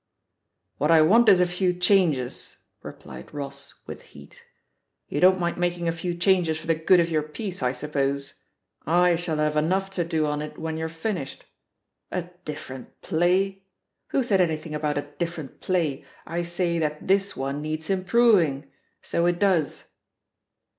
'* "What I want is a few changes," replied Ross with heat. "You don't mind making a few changes for the good of your piece, I suppose! J shall have enough to do on it when you're fin ished! A different play? Who said anything about a ^different play'? I say that this one needs improving. So it does."